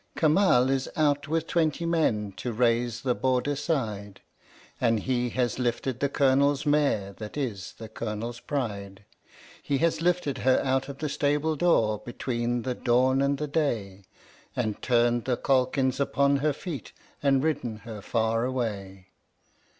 Kamal is out with twenty men to raise the Border side, And he has lifted the Colonel's mare that is the Colonel's pride: He has lifted her out of the stable door between the dawn and the day, And turned the calkins upon her feet, and ridden her far away.